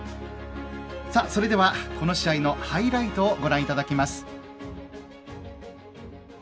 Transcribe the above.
それではこの試合のハイライトをご覧いただきます。